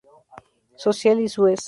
Social issues.